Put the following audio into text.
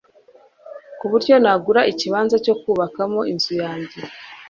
ku buryo nagura ikibanza cyo kubakamo inzu yanjye.